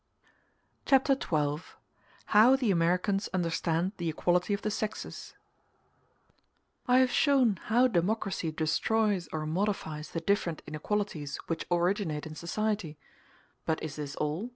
Chapter XII: How The Americans Understand The Equality Of The Sexes I Have shown how democracy destroys or modifies the different inequalities which originate in society; but is this all?